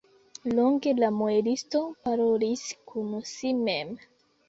Longe la muelisto parolis kun si mem.